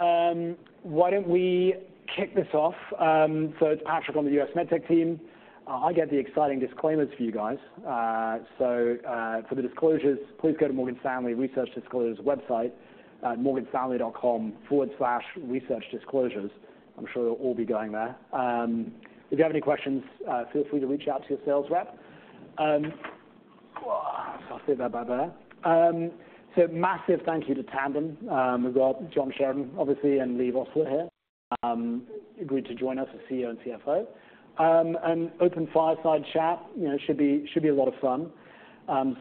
Yeah, why don't we kick this off? So it's Patrick on the U.S. MedTech team. I get the exciting disclaimers for you guys. So, for the disclosures, please go to Morgan Stanley Research Disclosure's website at morganstanley.com/researchdisclosures. I'm sure you'll all be going there. If you have any questions, feel free to reach out to your sales rep. I'll stay there bye-bye. So massive thank you to Tandem. We've got John Sheridan, obviously, and Leigh Vosseller here, agreed to join us as CEO and CFO. An open fireside chat, you know, should be a lot of fun.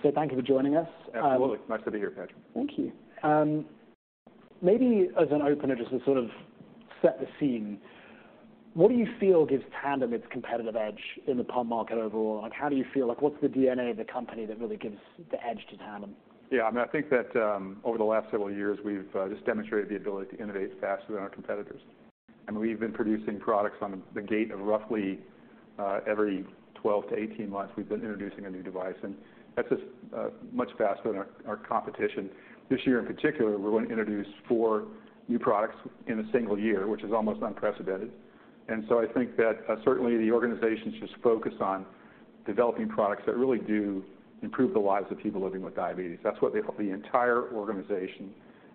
So thank you for joining us. Absolutely. Nice to be here, Patrick. Thank you. Maybe as an opener, just to sort of set the scene, what do you feel gives Tandem its competitive edge in the pump market overall? Like, how do you feel? Like, what's the DNA of the company that really gives the edge to Tandem? Yeah, I mean, I think that over the last several years, we've just demonstrated the ability to innovate faster than our competitors. And we've been producing products at a rate of roughly every 12-18 months, we've been introducing a new device, and that's just much faster than our competition. This year, in particular, we're going to introduce four new products in a single year, which is almost unprecedented. And so I think that certainly the organization's just focused on developing products that really do improve the lives of people living with diabetes. That's what they, the entire organization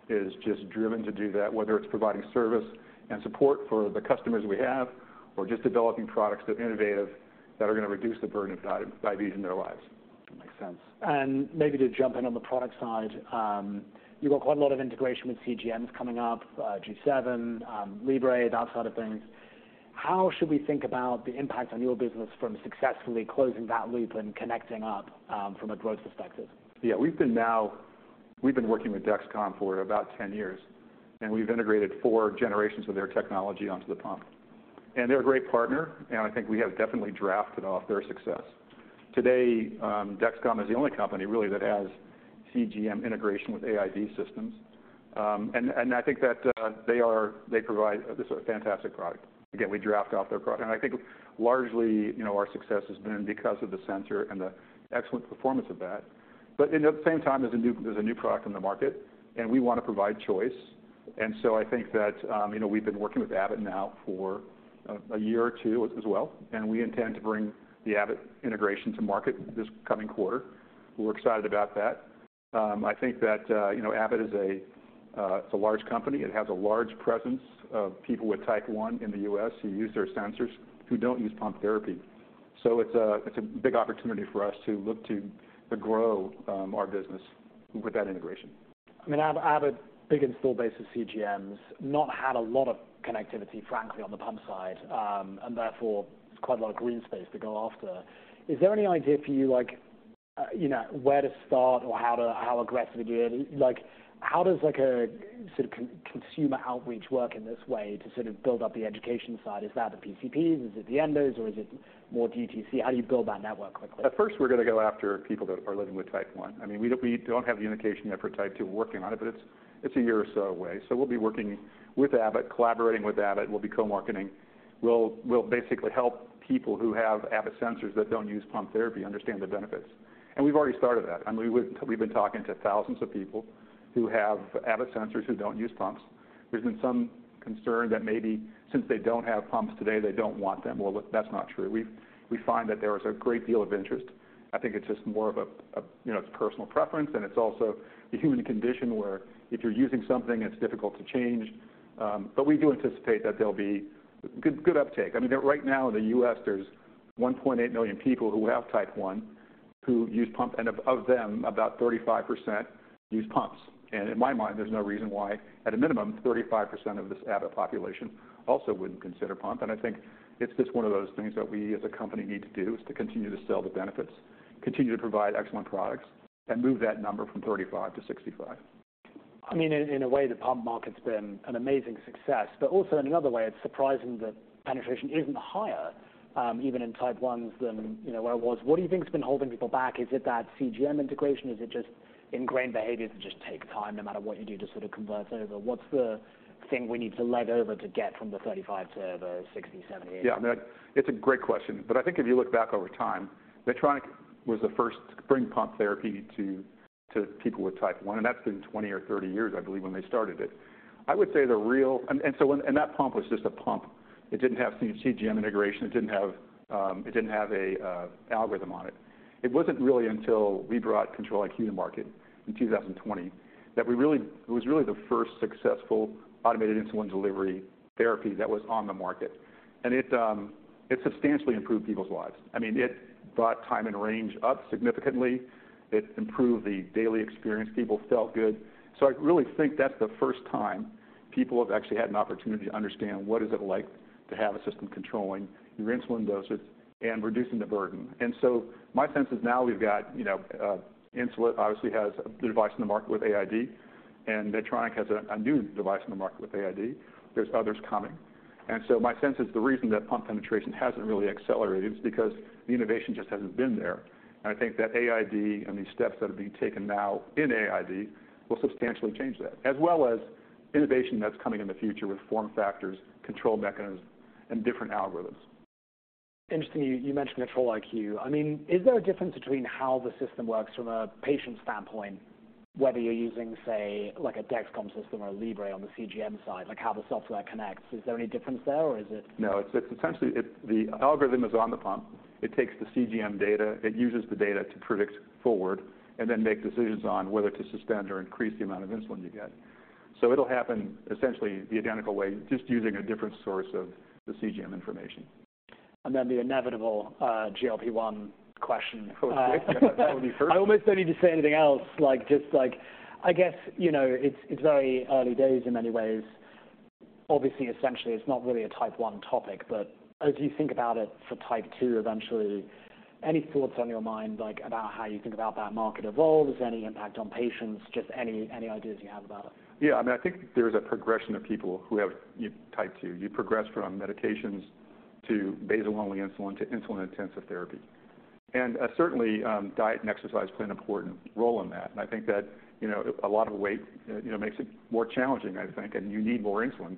is just driven to do that, whether it's providing service and support for the customers we have or just developing products that are innovative, that are going to reduce the burden of diabetes in their lives. That makes sense. Maybe to jump in on the product side, you've got quite a lot of integration with CGMs coming up, G7, Libre, that side of things. How should we think about the impact on your business from successfully closing that loop and connecting up, from a growth perspective? Yeah, we've been working with Dexcom for about 10 years, and we've integrated four generations of their technology onto the pump. And they're a great partner, and I think we have definitely drafted off their success. Today, Dexcom is the only company really that has CGM integration with AID systems. And I think that they provide just a fantastic product. Again, we draft off their product. And I think largely, you know, our success has been because of the sensor and the excellent performance of that. But at the same time, there's a new product on the market, and we want to provide choice. And so I think that, you know, we've been working with Abbott now for a year or two as well, and we intend to bring the Abbott integration to market this coming quarter. We're excited about that. I think that, you know, Abbott is a, it's a large company. It has a large presence of people with Type 1 in the U.S. who use their sensors, who don't use pump therapy. So it's a, it's a big opportunity for us to look to, to grow our business with that integration. I mean, Abbott, big install base of CGMs, not had a lot of connectivity, frankly, on the pump side. And therefore, quite a lot of green space to go after. Is there any idea for you like, you know, where to start or how to how aggressive to get? Like, how does like a sort of consumer outreach work in this way to sort of build up the education side? Is that the PCPs, is it the endos, or is it more DTC? How do you build that network quickly? At first, we're going to go after people that are living with Type 1. I mean, we, we don't have the indication yet for Type 2. We're working on it, but it's, it's a year or so away. So we'll be working with Abbott, collaborating with Abbott. We'll be co-marketing. We'll, we'll basically help people who have Abbott sensors that don't use pump therapy understand the benefits. And we've already started that. I mean, we've, we've been talking to thousands of people who have Abbott sensors, who don't use pumps. There's been some concern that maybe since they don't have pumps today, they don't want them. Well, that's not true. We, we find that there is a great deal of interest. I think it's just more of a, you know, it's personal preference, and it's also the human condition, where if you're using something, it's difficult to change. But we do anticipate that there'll be good, good uptake. I mean, right now in the U.S., there's 1.8 million people who have Type 1, who use pump, and of, of them, about 35% use pumps. And in my mind, there's no reason why, at a minimum, 35% of this Abbott population also wouldn't consider pump. And I think it's just one of those things that we as a company need to do, is to continue to sell the benefits, continue to provide excellent products, and move that number from 35% to 65%. I mean, in a way, the pump market's been an amazing success, but also in another way, it's surprising that penetration isn't higher, even in Type 1s than, you know, where it was. What do you think has been holding people back? Is it that CGM integration? Is it just ingrained behavior to just take time, no matter what you do, to sort of convert over? What's the thing we need to lever over to get from the 35 to the 60, 70, 80? Yeah, I mean, it's a great question, but I think if you look back over time, Medtronic was the first to bring pump therapy to people with Type 1, and that's been 20 or 30 years, I believe, when they started it. I would say the real and so that pump was just a pump. It didn't have CGM integration. It didn't have an algorithm on it. It wasn't really until we brought Control-IQ to the market in 2020 that it was really the first successful automated insulin delivery therapy that was on the market. And it substantially improved people's lives. I mean, it brought time in range up significantly. It improved the daily experience. People felt good. So I really think that's the first time people have actually had an opportunity to understand what is it like to have a system controlling your insulin doses and reducing the burden. And so my sense is now we've got, you know, Insulet obviously has a device in the market with AID, and Medtronic has a new device in the market with AID. There's others coming. And so my sense is the reason that pump penetration hasn't really accelerated is because the innovation just hasn't been there. And I think that AID and these steps that are being taken now in AID will substantially change that, as well as innovation that's coming in the future with form factors, control mechanisms, and different algorithms. Interestingly, you, you mentioned a Control-IQ. I mean, is there a difference between how the system works from a patient standpoint, whether you're using, say, like a Dexcom system or a Libre on the CGM side, like how the software connects? Is there any difference there, or is it- No, it's essentially the algorithm is on the pump. It takes the CGM data, it uses the data to predict forward and then make decisions on whether to suspend or increase the amount of insulin you get. So it'll happen essentially the identical way, just using a different source of the CGM information. And then the inevitable, GLP-1 question. Oh, good. That would be first. I almost don't need to say anything else, like, just like, I guess, you know, it's very early days in many ways. Obviously, essentially, it's not really a Type 1 topic, but as you think about it for Type 2, eventually, any thoughts on your mind, like, about how you think about that market evolves, any impact on patients, just any ideas you have about it? Yeah, I mean, I think there's a progression of people who have Type 2. You progress from medications to basal-only insulin to insulin-intensive therapy. And certainly, diet and exercise play an important role in that, and I think that, you know, a lot of weight, you know, makes it more challenging, I think, and you need more insulin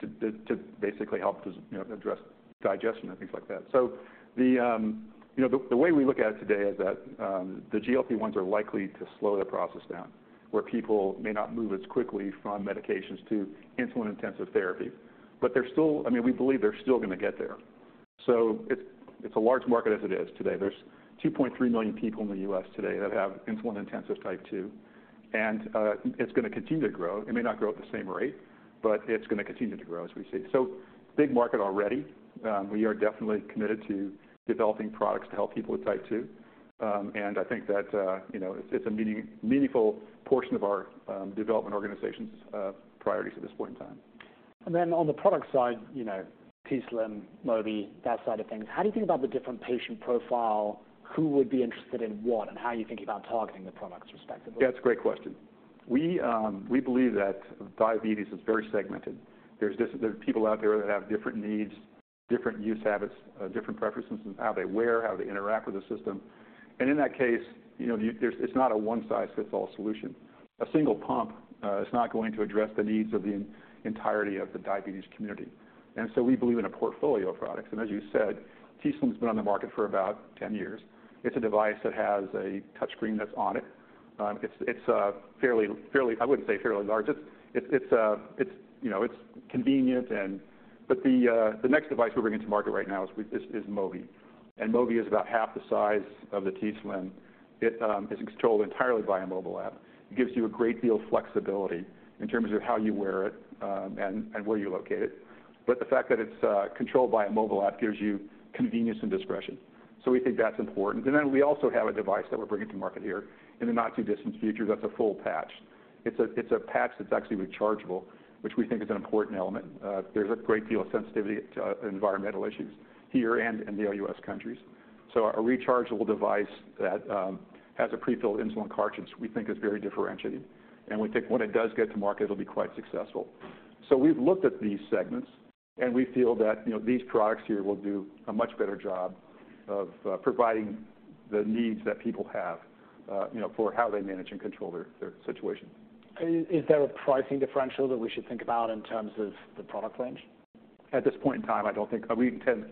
to basically help, you know, address digestion and things like that. So the way we look at it today is that the GLP-1s are likely to slow that process down, where people may not move as quickly from medications to insulin-intensive therapy. But they're still, I mean, we believe they're still going to get there. So it's a large market as it is today. There's 2.3 million people in the U.S. Today that have insulin-intensive Type 2, and, it's going to continue to grow. It may not grow at the same rate, but it's going to continue to grow as we see. So big market already. We are definitely committed to developing products to help people with Type 2. And I think that, you know, it's, it's a meaningful portion of our, development organization's, priorities at this point in time. Then on the product side, you know, t:slim, Mobi, that side of things, how do you think about the different patient profile? Who would be interested in what, and how are you thinking about targeting the products respectively? That's a great question. We believe that diabetes is very segmented. There's people out there that have different needs, different use habits, different preferences in how they wear, how they interact with the system. And in that case, you know, there's, it's not a one-size-fits-all solution. A single pump is not going to address the needs of the entirety of the diabetes community. And so we believe in a portfolio of products. And as you said, t:slim's been on the market for about 10 years. It's a device that has a touchscreen that's on it. It's fairly large. I wouldn't say fairly large. It's convenient, you know, but the next device we're bringing to market right now is Mobi. And Mobi is about half the size of the t:slim. It is controlled entirely by a mobile app. It gives you a great deal of flexibility in terms of how you wear it, and where you locate it. But the fact that it's controlled by a mobile app gives you convenience and discretion. So we think that's important. And then we also have a device that we're bringing to market here in the not-too-distant future, that's a full patch. It's a patch that's actually rechargeable, which we think is an important element. There's a great deal of sensitivity to environmental issues here and in the OUS countries. So a rechargeable device that has a prefilled insulin cartridge, we think is very differentiating, and we think when it does get to market, it'll be quite successful. We've looked at these segments, and we feel that, you know, these products here will do a much better job of providing the needs that people have, you know, for how they manage and control their situation. Is there a pricing differential that we should think about in terms of the product range? At this point in time, I don't think we intend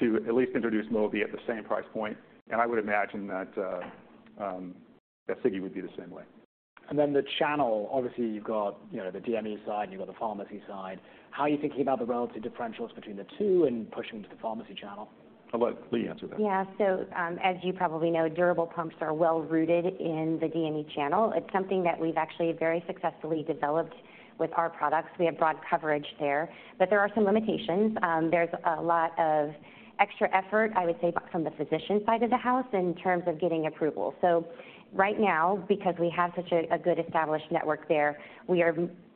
to at least introduce Mobi at the same price point, and I would imagine that that Sigi would be the same way. Then the channel, obviously, you've got, you know, the DME side, and you've got the pharmacy side. How are you thinking about the relative differentials between the two and pushing to the pharmacy channel? I'll let Leigh answer that. Yeah. So, as you probably know, durable pumps are well-rooted in the DME channel. It's something that we've actually very successfully developed with our products. We have broad coverage there, but there are some limitations. There's a lot of extra effort, I would say, from the physician side of the house in terms of getting approval. So right now, because we have such a good established network there, we are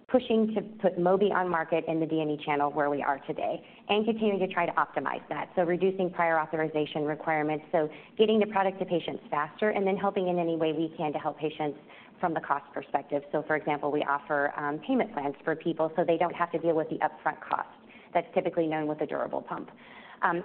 pushing to put Mobi on market in the DME channel, where we are today, and continuing to try to optimize that. So reducing prior authorization requirements, so getting the product to patients faster, and then helping in any way we can to help patients from the cost perspective. So for example, we offer payment plans for people so they don't have to deal with the upfront cost that's typically known with a durable pump.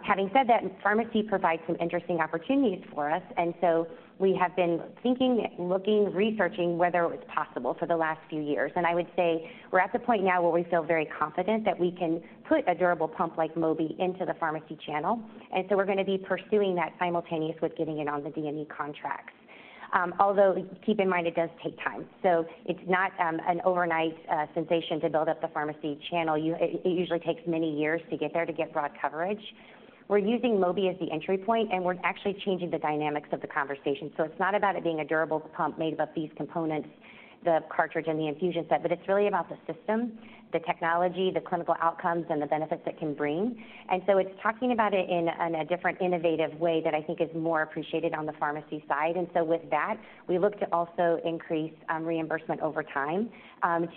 Having said that, pharmacy provides some interesting opportunities for us, and so we have been thinking, looking, researching whether it was possible for the last few years. And I would say we're at the point now where we feel very confident that we can put a durable pump like Mobi into the pharmacy channel. And so we're going to be pursuing that simultaneous with getting it on the DME contracts. Although, keep in mind, it does take time, so it's not an overnight sensation to build up the pharmacy channel. It usually takes many years to get there, to get broad coverage. We're using Mobi as the entry point, and we're actually changing the dynamics of the conversation. So it's not about it being a durable pump made up of these components, the cartridge and the infusion set, but it's really about the system, the technology, the clinical outcomes, and the benefits it can bring. And so it's talking about it in a, in a different, innovative way that I think is more appreciated on the pharmacy side. And so with that, we look to also increase reimbursement over time,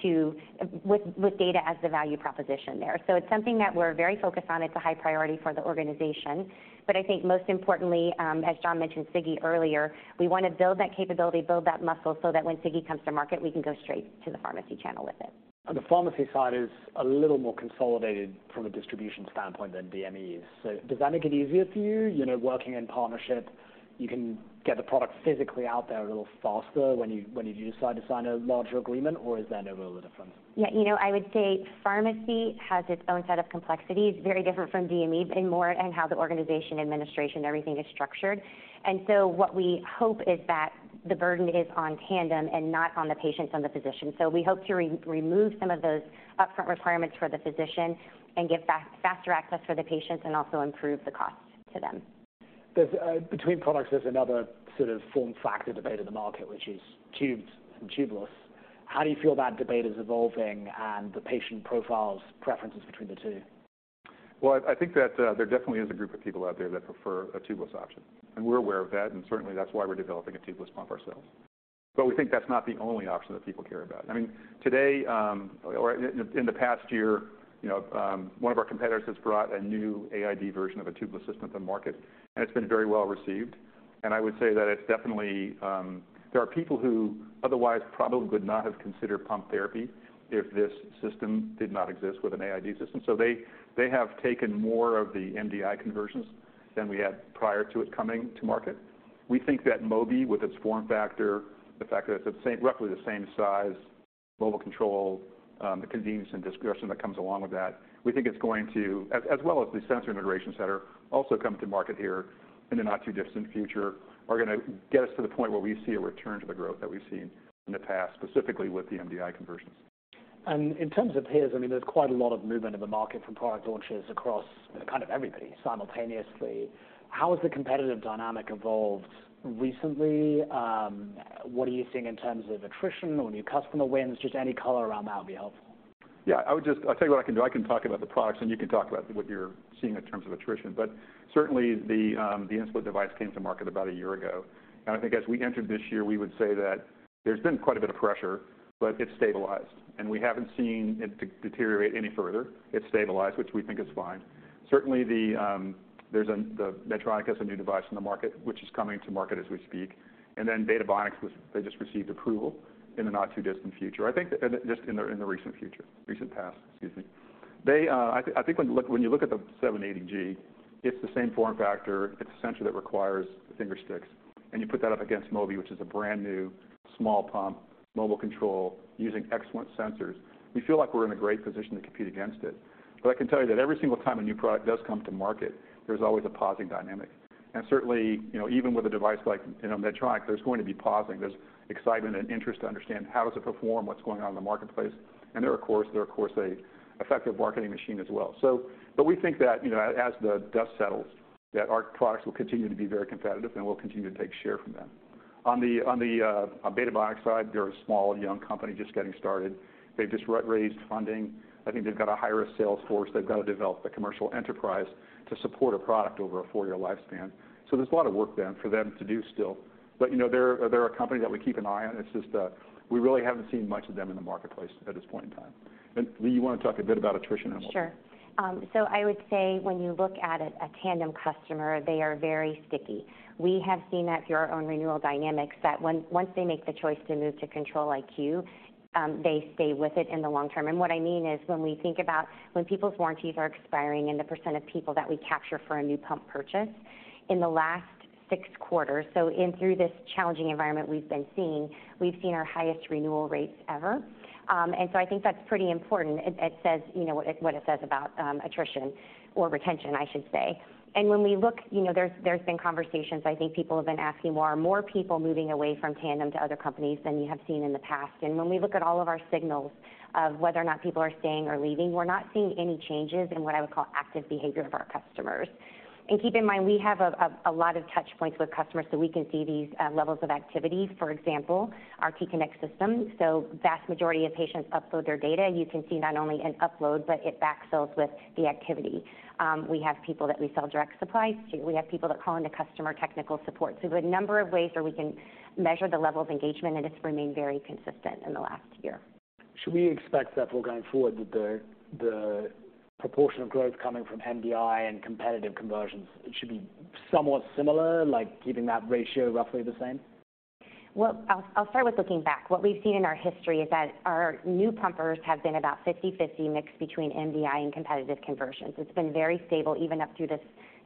to, with data as the value proposition there. So it's something that we're very focused on. It's a high priority for the organization. But I think most importantly, as John mentioned Sigi earlier, we want to build that capability, build that muscle, so that when Sigi comes to market, we can go straight to the pharmacy channel with it. The pharmacy side is a little more consolidated from a distribution standpoint than DMEs. Does that make it easier for you? You know, working in partnership, you can get the product physically out there a little faster when you decide to sign a larger agreement, or is there no real difference? Yeah, you know, I would say pharmacy has its own set of complexities, very different from DME and more in how the organization, administration, everything is structured. And so what we hope is that the burden is on Tandem and not on the patients and the physician. So we hope to remove some of those upfront requirements for the physician and give back faster access for the patients and also improve the costs to them. There's, between products, there's another sort of form factor debate in the market, which is tubed and tubeless. How do you feel that debate is evolving and the patient profiles, preferences between the two? Well, I think that there definitely is a group of people out there that prefer a tubeless option, and we're aware of that, and certainly, that's why we're developing a tubeless pump ourselves. But we think that's not the only option that people care about. I mean, today, or in the past year, you know, one of our competitors has brought a new AID version of a tubeless system to market, and it's been very well received. And I would say that it's definitely there are people who otherwise probably would not have considered pump therapy if this system did not exist with an AID system. So they have taken more of the MDI conversions than we had prior to it coming to market. We think that Mobi, with its form factor, the fact that it's the same, roughly the same size, global control, the convenience and discretion that comes along with that, we think it's going to, as well as the sensor integration center, also come to market here in the not-too-distant future, are gonna get us to the point where we see a return to the growth that we've seen in the past, specifically with the MDI conversions. In terms of peers, I mean, there's quite a lot of movement in the market from product launches across kind of everybody simultaneously. How has the competitive dynamic evolved recently? What are you seeing in terms of attrition or new customer wins? Just any color around that would be helpful. Yeah, I would just, I'll tell you what I can do. I can talk about the products, and you can talk about what you're seeing in terms of attrition. But certainly the Insulet device came to market about a year ago. And I think as we entered this year, we would say that there's been quite a bit of pressure, but it's stabilized, and we haven't seen it deteriorate any further. It's stabilized, which we think is fine. Certainly, there's a, the Medtronic has a new device in the market, which is coming to market as we speak. And then Beta Bionics, they just received approval in the not-too-distant future. I think just in the recent past, excuse me. They, I think when you look at the 780G, it's the same form factor. It's a sensor that requires finger sticks, and you put that up against Mobi, which is a brand new small pump, mobile control, using excellent sensors. We feel like we're in a great position to compete against it. But I can tell you that every single time a new product does come to market, there's always a pausing dynamic. And certainly, you know, even with a device like, you know, Medtronic, there's going to be pausing. There's excitement and interest to understand how does it perform, what's going on in the marketplace. And they're of course, they're of course, an effective marketing machine as well. So, but we think that, you know, as, as the dust settles, that our products will continue to be very competitive and we'll continue to take share from them. On the, on the, on Beta Bionics side, they're a small, young company just getting started. They've just raised funding. I think they've got to hire a sales force. They've got to develop the commercial enterprise to support a product over a four-year lifespan. So there's a lot of work then for them to do still. But, you know, they're a company that we keep an eye on. It's just that we really haven't seen much of them in the marketplace at this point in time. And Lee, you want to talk a bit about attrition? Sure. So I would say when you look at a Tandem customer, they are very sticky. We have seen that through our own renewal dynamics, that once they make the choice to move to Control-IQ, they stay with it in the long term. And what I mean is, when we think about when people's warranties are expiring and the percent of people that we capture for a new pump purchase, in the last six quarters, so in through this challenging environment we've been seeing, we've seen our highest renewal rates ever. And so I think that's pretty important. It says, you know, what it says about attrition or retention, I should say. When we look, you know, there's been conversations, I think people have been asking, well, are more people moving away from Tandem to other companies than you have seen in the past? When we look at all of our signals of whether or not people are staying or leaving, we're not seeing any changes in what I would call active behavior of our customers. Keep in mind, we have a lot of touch points with customers, so we can see these levels of activity. For example, our t:connect system. So vast majority of patients upload their data. You can see not only an upload, but it backfills with the activity. We have people that we sell direct supplies to. We have people that call into customer technical support. There's a number of ways where we can measure the level of engagement, and it's remained very consistent in the last year. Should we expect that going forward, with the proportion of growth coming from MDI and competitive conversions, it should be somewhat similar, like keeping that ratio roughly the same? Well, I'll start with looking back. What we've seen in our history is that our new pumpers have been about 50/50 mix between MDI and competitive conversions. It's been very stable, even up through this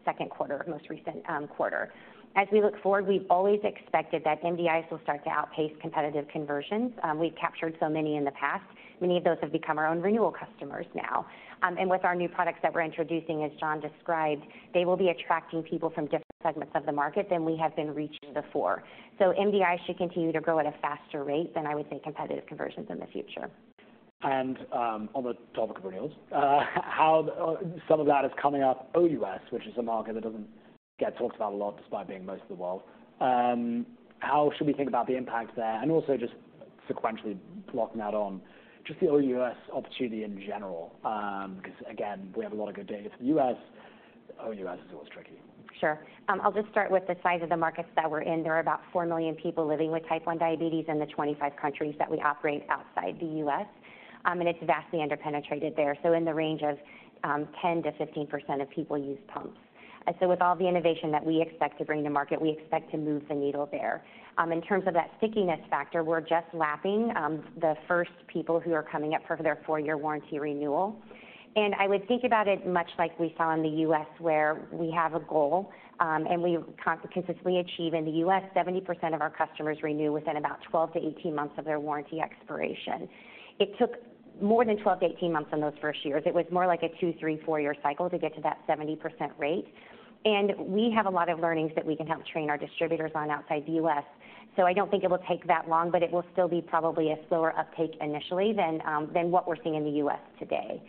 Q2, most recent quarter. As we look forward, we've always expected that MDIs will start to outpace competitive conversions. We've captured so many in the past. Many of those have become our own renewal customers now. And with our new products that we're introducing, as John described, they will be attracting people from different segments of the market than we have been reaching before. So MDI should continue to grow at a faster rate than I would say, competitive conversions in the future. On the topic of renewals, how some of that is coming up OUS, which is a market that doesn't get talked about a lot despite being most of the world. How should we think about the impact there? And also just sequentially blocking that on, just the OUS opportunity in general, 'cause again, we have a lot of good data for the US. OUS is always tricky. Sure. I'll just start with the size of the markets that we're in. There are about four million people living with Type 1 Diabetes in the 25 countries that we operate outside the U.S., and it's vastly underpenetrated there. So in the range of 10% to 15% of people use pumps. So with all the innovation that we expect to bring to market, we expect to move the needle there. In terms of that stickiness factor, we're just lapping the first people who are coming up for their four year warranty renewal. And I would think about it much like we saw in the U.S., where we have a goal, and we consistently achieve. In the U.S., 70% of our customers renew within about 12 to 18 months of their warranty expiration. It took more than 12-18 months in those first years. It was more like a two, three, four year cycle to get to that 70% rate. We have a lot of learnings that we can help train our distributors on outside the U.S. So I don't think it will take that long, but it will still be probably a slower uptake initially than what we're seeing in the U.S. today.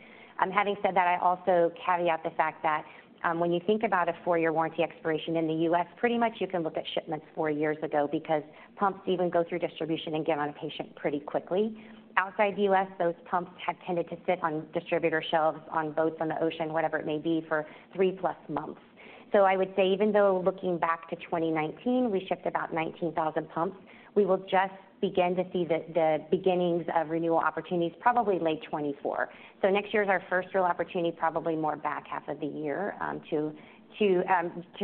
Having said that, I also caveat the fact that, when you think about a four year warranty expiration in the U.S., pretty much you can look at shipments four years ago because pumps even go through distribution and get on a patient pretty quickly. Outside the U.S., those pumps have tended to sit on distributor shelves, on boats, on the ocean, whatever it may be, for 3+ months. So I would say, even though looking back to 2019, we shipped about 19,000 pumps, we will just begin to see the beginnings of renewal opportunities, probably late 2024. So next year is our first real opportunity, probably more back half of the year, to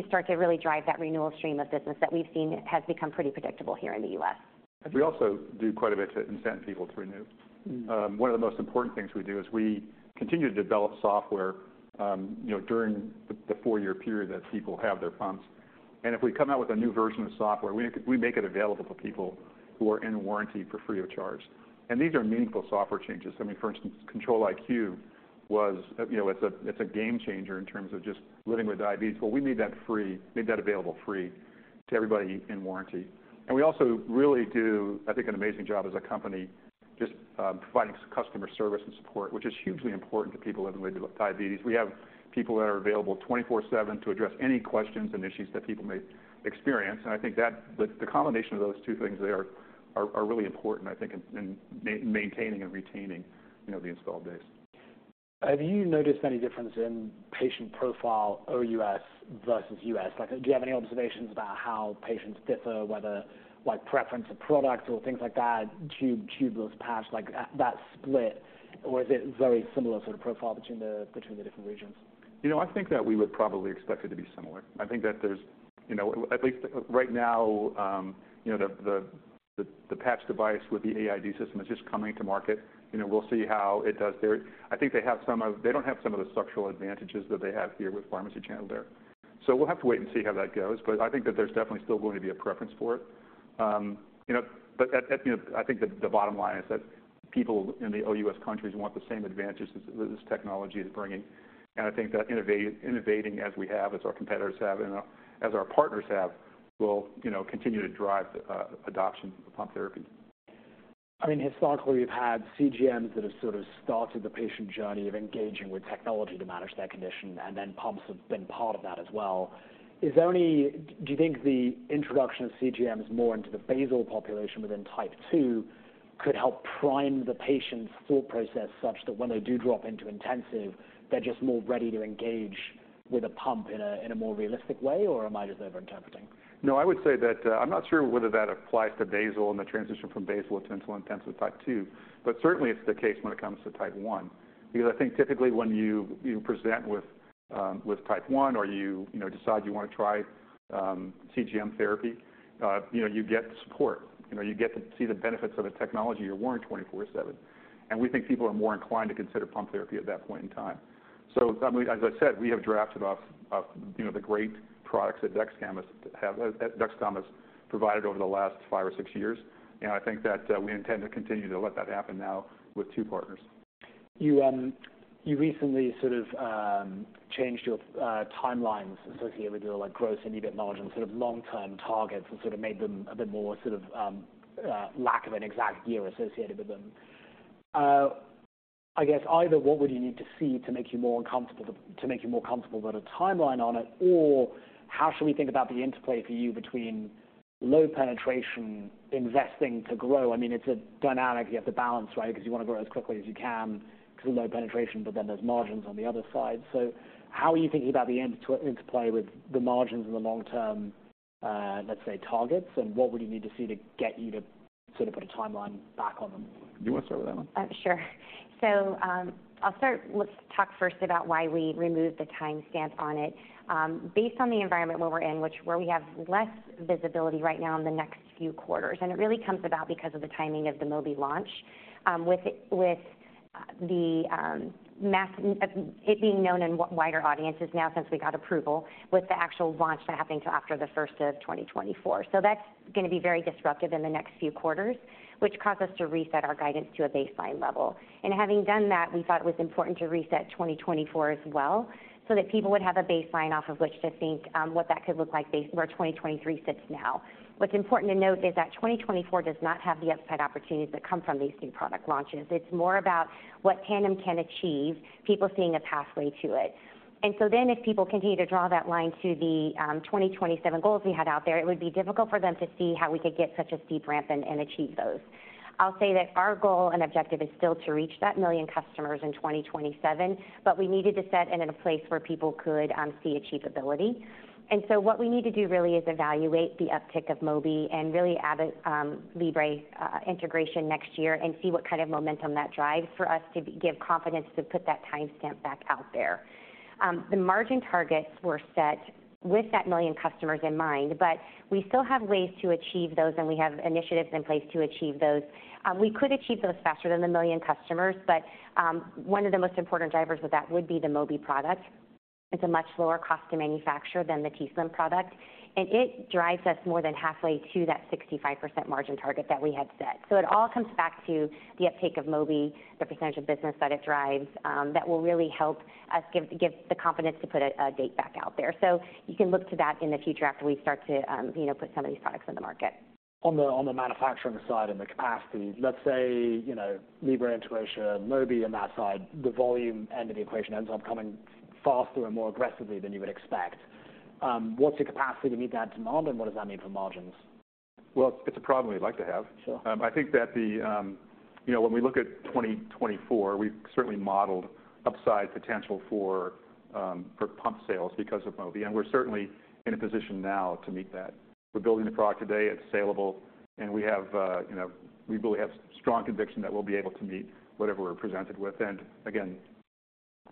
start to really drive that renewal stream of business that we've seen has become pretty predictable here in the U.S. We also do quite a bit to incent people to renew. One of the most important things we do is we continue to develop software, you know, during the four year period that people have their pumps. And if we come out with a new version of software, we make it available for people who are in warranty for free of charge. And these are meaningful software changes. I mean, for instance, Control-IQ was, you know, it's a, it's a game changer in terms of just living with diabetes. Well, we made that free, made that available free to everybody in warranty. And we also really do, I think, an amazing job as a company, just, providing customer service and support, which is hugely important to people living with diabetes. We have people that are available 24/7 to address any questions and issues that people may experience. And I think that the combination of those two things there are really important, I think, in maintaining and retaining, you know, the installed base. Have you noticed any difference in patient profile, OUS versus U.S.? Like, do you have any observations about how patients differ, whether, like, preference of products or things like that, tube, tubeless patch, like, that split? Or is it very similar sort of profile between the different regions? You know, I think that we would probably expect it to be similar. I think that there's, you know, at least right now, you know, the patch device with the AID system is just coming to market. You know, we'll see how it does there. I think they have some of. They don't have some of the structural advantages that they have here with pharmacy channel there. So we'll have to wait and see how that goes, but I think that there's definitely still going to be a preference for it. You know, but at, you know, I think the bottom line is that people in the OUS countries want the same advantages as this technology is bringing. I think that innovating as we have, as our competitors have, and as our partners have, will, you know, continue to drive the adoption of pump therapy. I mean, historically, we've had CGMs that have sort of started the patient journey of engaging with technology to manage their condition, and then pumps have been part of that as well. Is there any? Do you think the introduction of CGMs more into the basal population within Type 2 could help prime the patient's thought process, such that when they do drop into intensive, they're just more ready to engage with a pump in a more realistic way, or am I just overinterpreting? No, I would say that, I'm not sure whether that applies to basal and the transition from basal to insulin intensive type 2, but certainly it's the case when it comes to type 1. Because I think typically when you present with type 1 or you know, decide you want to try CGM therapy, you know, you get the support. You know, you get to see the benefits of a technology you're wearing 24/7. And we think people are more inclined to consider pump therapy at that point in time. So, I mean, as I said, we have drafted off you know, the great products that Dexcom has provided over the last five or six years, and I think that we intend to continue to let that happen now with two partners. You recently sort of changed your timelines associated with your, like, growth and EBIT margin, sort of long-term targets and sort of made them a bit more sort of lack of an exact year associated with them. I guess either what would you need to see to make you more uncomfortable, to make you more comfortable about a timeline on it? Or how should we think about the interplay for you between low penetration, investing to grow? I mean, it's a dynamic. You have to balance, right? Because you want to grow as quickly as you can because of low penetration, but then there's margins on the other side. How are you thinking about the end-to-end interplay with the margins in the long term, let's say, targets, and what would you need to see to get you to sort of put a timeline back on them? Do you want to start with that one? Sure. So, I'll start. Let's talk first about why we removed the timestamp on it. Based on the environment where we're in, which we have less visibility right now in the next few quarters, and it really comes about because of the timing of the Mobi launch. With it being known to wider audiences now since we got approval, with the actual launch not happening till after the first of 2024. So that's going to be very disruptive in the next few quarters, which caused us to reset our guidance to a baseline level. Having done that, we thought it was important to reset 2024 as well, so that people would have a baseline off of which to think what that could look like based on where 2023 sits now. What's important to note is that 2024 does not have the upside opportunities that come from these new product launches. It's more about what Tandem can achieve, people seeing a pathway to it. So then, if people continue to draw that line to the 2027 goals we had out there, it would be difficult for them to see how we could get such a steep ramp and achieve those. I'll say that our goal and objective is still to reach that one million customers in 2027, but we needed to set it in a place where people could see achievability. So what we need to do really is evaluate the uptick of Mobi and really Abbott Libre integration next year and see what kind of momentum that drives for us to give confidence to put that timestamp back out there. The margin targets were set with that one million customers in mind, but we still have ways to achieve those, and we have initiatives in place to achieve those. We could achieve those faster than the one million customers, but, one of the most important drivers of that would be the Mobi product. It's a much lower cost to manufacture than the t:slim product, and it drives us more than halfway to that 65% margin target that we had set. So it all comes back to the uptake of Mobi, the percentage of business that it drives, that will really help us give, give the confidence to put a, a date back out there. So you can look to that in the future after we start to, you know, put some of these products on the market. On the manufacturing side and the capacity, let's say, you know, Libre into Ocean, Mobi on that side, the volume end of the equation ends up coming faster and more aggressively than you would expect. What's your capacity to meet that demand, and what does that mean for margins? Well, it's a problem we'd like to have. Sure. I think that the, you know, when we look at 2024, we've certainly modeled upside potential for, for pump sales because of Mobi, and we're certainly in a position now to meet that. We're building the product today. It's salable, and we have, you know, we really have strong conviction that we'll be able to meet whatever we're presented with. And again,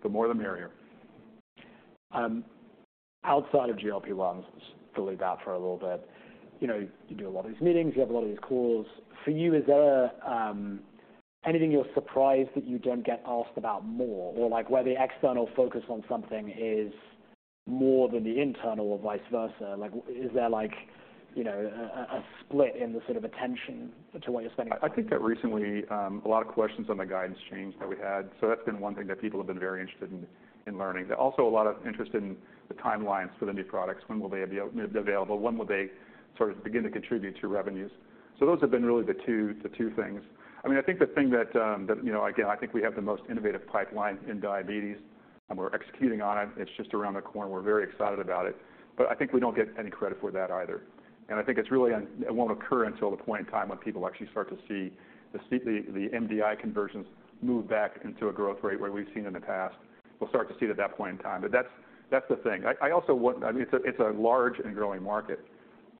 the more, the merrier. Outside of GLP-1, just fill it out for a little bit. You know, you do a lot of these meetings, you have a lot of these calls. For you, is there anything you're surprised that you don't get asked about more? Or like, where the external focus on something is more than the internal or vice versa. Like, is there like, you know, a split in the sort of attention to what you're spending? I think that recently, a lot of questions on the guidance change that we had. So that's been one thing that people have been very interested in, in learning. But also a lot of interest in the timelines for the new products. When will they be available? When will they sort of begin to contribute to revenues? So those have been really the two, the two things. I mean, I think the thing that, that, you know, again, I think we have the most innovative pipeline in diabetes, and we're executing on it. It's just around the corner. We're very excited about it, but I think we don't get any credit for that either. I think it's really, it won't occur until the point in time when people actually start to see the MDI conversions move back into a growth rate where we've seen in the past. We'll start to see it at that point in time, but that's the thing. I also want, I mean, it's a large and growing market.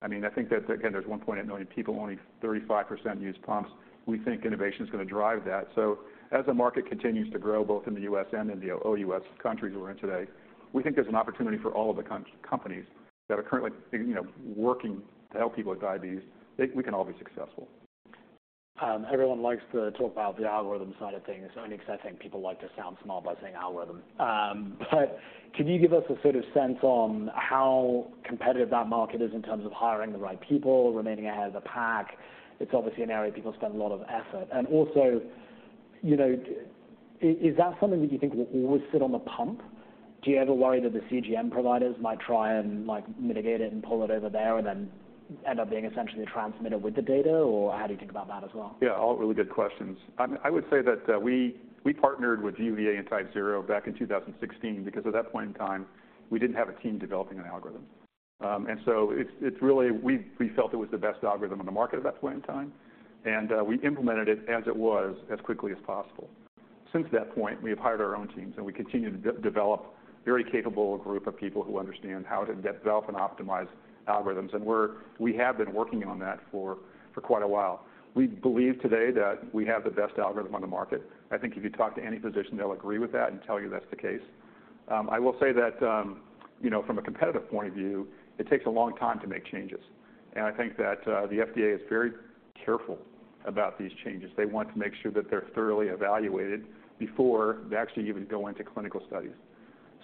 I mean, I think that, again, there's one point in knowing people, only 35% use pumps. We think innovation is gonna drive that. So as the market continues to grow, both in the U.S. and in the OUS countries we're in today, we think there's an opportunity for all of the companies that are currently, you know, working to help people with diabetes; they, we can all be successful. Everyone likes to talk about the algorithm side of things, only 'cause I think people like to sound smart by saying algorithm. But can you give us a sort of sense on how competitive that market is in terms of hiring the right people, remaining ahead of the pack? It's obviously an area people spend a lot of effort. And also, you know, is that something that you think will always sit on the pump? Do you ever worry that the CGM providers might try and, like, mitigate it and pull it over there, and then end up being essentially a transmitter with the data? Or how do you think about that as well? Yeah, all really good questions. I would say that we partnered with UVA and TypeZero back in 2016, because at that point in time, we didn't have a team developing an algorithm. And so it's really we felt it was the best algorithm on the market at that point in time, and we implemented it as it was, as quickly as possible. Since that point, we have hired our own teams, and we continue to develop a very capable group of people who understand how to develop and optimize algorithms. And we're we have been working on that for quite a while. We believe today that we have the best algorithm on the market. I think if you talk to any physician, they'll agree with that and tell you that's the case. I will say that, you know, from a competitive point of view, it takes a long time to make changes, and I think that the FDA is very careful about these changes. They want to make sure that they're thoroughly evaluated before they actually even go into clinical studies.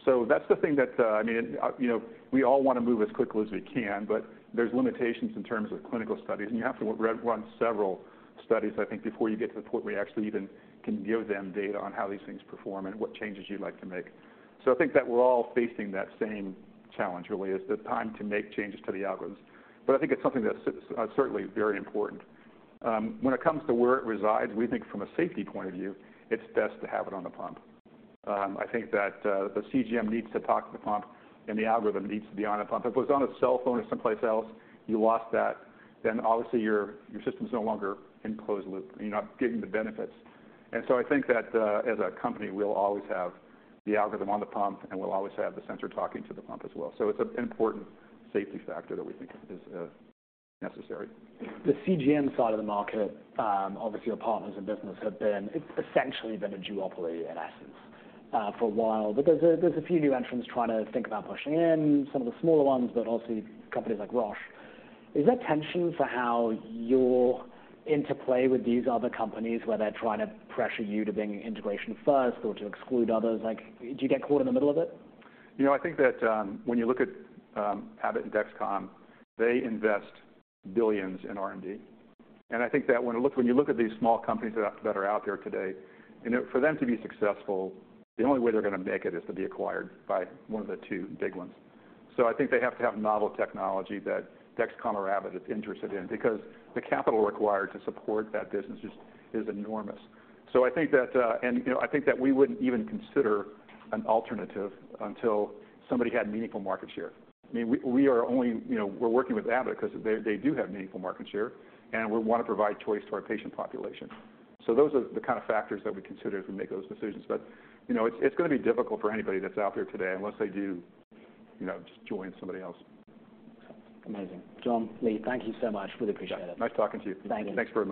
So that's the thing that, I mean, you know, we all want to move as quickly as we can, but there's limitations in terms of clinical studies, and you have to run several studies, I think, before you get to the point where you actually even can give them data on how these things perform and what changes you'd like to make. So I think that we're all facing that same challenge, really, is the time to make changes to the algorithms. But I think it's something that's certainly very important. When it comes to where it resides, we think from a safety point of view, it's best to have it on the pump. I think that the CGM needs to talk to the pump and the algorithm needs to be on a pump. If it was on a cell phone or someplace else, you lost that, then obviously your system's no longer in closed loop and you're not getting the benefits. And so I think that as a company, we'll always have the algorithm on the pump, and we'll always have the sensor talking to the pump as well. So it's an important safety factor that we think is necessary. The CGM side of the market, obviously, your partners in business have been. It's essentially been a duopoly, in essence, for a while. But there's a few new entrants trying to think about pushing in, some of the smaller ones, but also companies like Roche. Is there tension for how your interplay with these other companies, where they're trying to pressure you to bring integration first or to exclude others? Like, do you get caught in the middle of it? You know, I think that, when you look at, Abbott and Dexcom, they invest billions in R&D. And I think that when you look, when you look at these small companies that, that are out there today, you know, for them to be successful, the only way they're gonna make it is to be acquired by one of the two big ones. So I think they have to have novel technology that Dexcom or Abbott is interested in, because the capital required to support that business is, is enormous. So I think that and, you know, I think that we wouldn't even consider an alternative until somebody had meaningful market share. I mean, we, we are only, you know, we're working with Abbott because they, they do have meaningful market share, and we want to provide choice to our patient population. So those are the kind of factors that we consider as we make those decisions. But, you know, it's gonna be difficult for anybody that's out there today unless they do, you know, just join somebody else. Amazing. John, Leigh, thank you so much. Really appreciate it. Nice talking to you. Thank you. Thanks very much.